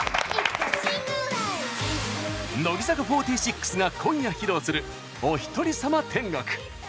乃木坂４６が今夜、披露する「おひとりさま天国」。